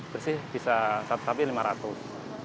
bersih bisa satu sapi lima ratus